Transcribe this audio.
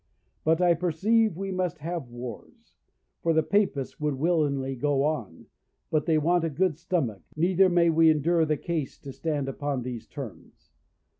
But, I perceive, we must have wars; for the Papists would willingly go on, but they want a good stomach, neither may we endure the case to stand upon these terms.